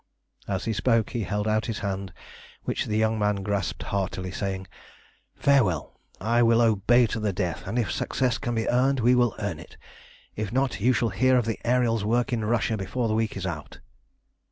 As he spoke he held out his hand, which the young man grasped heartily, saying "Farewell! I will obey to the death, and if success can be earned we will earn it. If not, you shall hear of the Ariel's work in Russia before the week is out."